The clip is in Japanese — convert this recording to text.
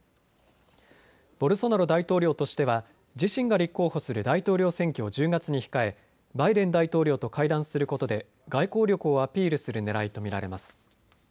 ボルソナロ大統領とししては自身が立候補する大統領選挙を１０月に控えバイデン大統領と会談することで外交力をアピールするねらいと見られます。